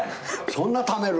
そんなためる？